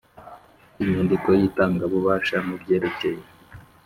Inyandiko y itangabubasha mu byerekeye